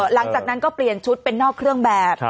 หลังจากนั้นก็เปลี่ยนชุดเป็นนอกเครื่องแบบ